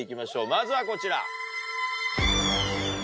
まずはこちら。